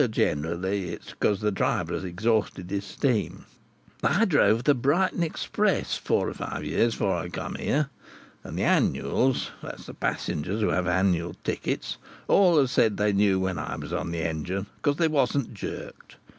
But generally it's because the driver has exhausted his steam. "I drove the Brighton express, four or five years before I come here, and the annuals—that is, the passengers who had annual tickets—always said they knew when I was on the engine, because they wasn't jerked.